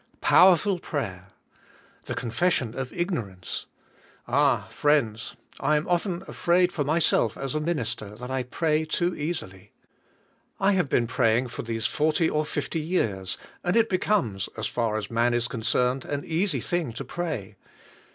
Powerful prayer! The confession of ignor ance I Ah, friends, I am often afraid for myself as a minister that I pray too easily. I have been praying for these forty or fifty years and it be comes, as far as man is concerned, an easy thing to pray.